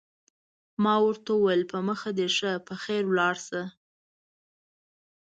ما ورته وویل: په مخه دې ښه، په خیر ولاړ شه.